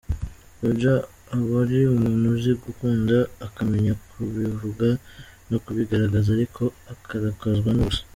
Roger aba ari umuntu uzi gukunda akamenya kubivuga no kubigaragaza, ariko akarakazwa n’ubusa.